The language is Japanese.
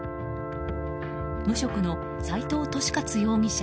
無職の斉藤敏勝容疑者